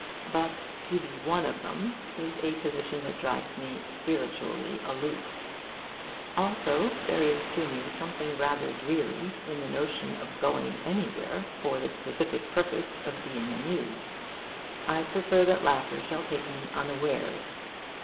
But to be one of them is a position that drives me spiritually aloof. Also, there is to me something rather dreary in the notion of going anywhere for the specific purpose of being amused. I prefer that laughter shall take me unawares.